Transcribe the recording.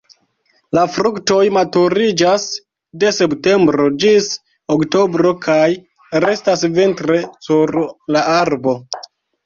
La fruktoj maturiĝas de septembro ĝis oktobro kaj restas vintre sur la arbo.